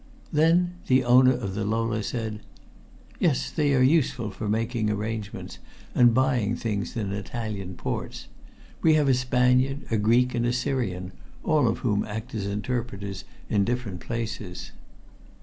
Then the owner of the Lola said "Yes, they are useful for making arrangements and buying things in Italian ports. We have a Spaniard, a Greek, and a Syrian, all of whom act as interpreters in different places."